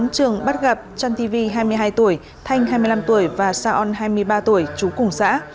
trường bắt gặp trăn tv hai mươi hai tuổi thanh hai mươi năm tuổi và saon hai mươi ba tuổi chú cùng xã